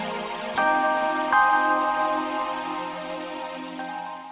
pokoknya gak ada